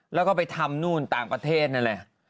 แล้วก็ไปทำนู่นต่างประเทศนั่นแหละ